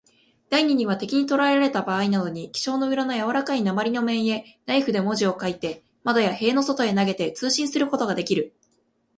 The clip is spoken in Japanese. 第二には、敵にとらえられたばあいなどに、記章の裏のやわらかい鉛の面へ、ナイフで文字を書いて、窓や塀の外へ投げて、通信することができる。